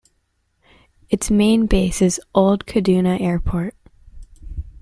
Its main base is Old Kaduna Airport.